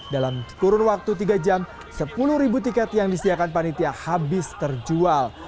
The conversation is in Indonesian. dalam kurun waktu tiga jam sepuluh ribu tiket yang disediakan panitia habis terjual